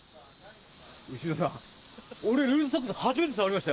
丑嶋さん俺ルーズソックス初めて触りましたよ。